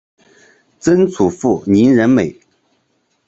曾祖父林仁美。